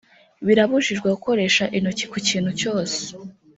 birabujijwe gukoresha intoki ku kintu cyose